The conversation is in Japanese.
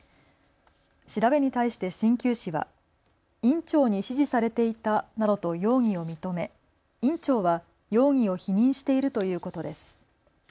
調べに対して、しんきゅう師は院長に指示されていたなどと容疑を認め院長は容疑を否認しているということです。